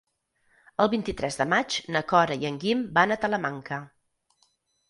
El vint-i-tres de maig na Cora i en Guim van a Talamanca.